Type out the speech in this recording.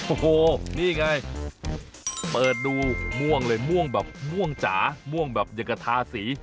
โอ้โหนี่ไงเปิดดูม่วงเลยม่วงแบบม่วงจ๋าม่วงแบบอย่างกับทาสี